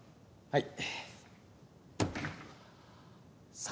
はい。